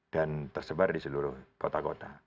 dan tersebar di seluruh kota kota